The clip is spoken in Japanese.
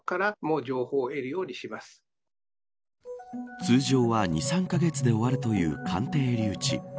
通常は２、３カ月で終わるという鑑定留置。